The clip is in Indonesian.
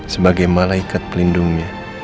sebagai malaikat pelindungnya